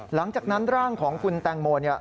หลังจากนั้นร่างของคุณแตงโมเนี่ย